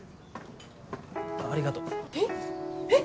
ありがとう。え？